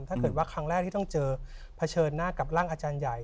ถ้าเกิดว่าครั้งแรกที่ต้องเจอเผชิญหน้ากับร่างอาจารย์ใหญ่